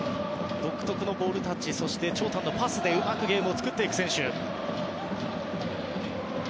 独特のボールタッチそして長短のパスでゲームを作っていく選手です。